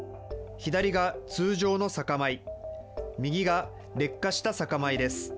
左が通常の酒米、右が劣化した酒米です。